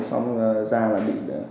xong ra là bị